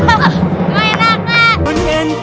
tidak belum berhenti